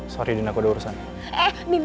sorry dina aku udah urusin